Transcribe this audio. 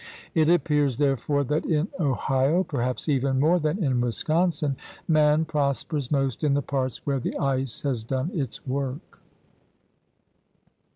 It appears, there fore, that in Ohio, perhaps even more than in Wis consin, man prospers most in the parts where the ice has done its work.